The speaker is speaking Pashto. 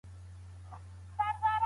ټولنيز پيوستون مهم مفهوم دی.